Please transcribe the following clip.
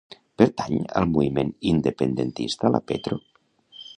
Pertany al moviment independentista la Petro?